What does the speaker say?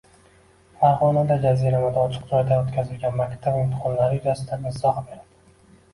Farg‘onada jaziramada ochiq joyda o‘tkazilgan maktab imtihonlari yuzasidan izoh berildi